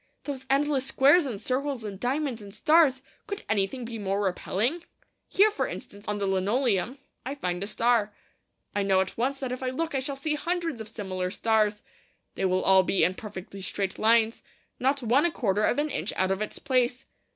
Those endless squares and circles and diamonds and stars! Could anything be more repelling? Here, for instance, on the linoleum, I find a star. I know at once that if I look I shall see hundreds of similar stars. They will all be in perfectly straight lines, not one a quarter of an inch out of its place.